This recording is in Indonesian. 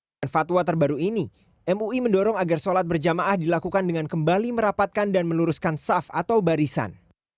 dengan fatwa terbaru ini mui mendorong agar sholat berjamaah dilakukan dengan kembali merapatkan dan meluruskan saf atau barisan